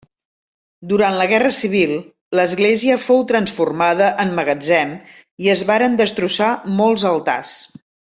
Durant la Guerra Civil, l'església fou transformada en magatzem i es varen destrossar molts altars.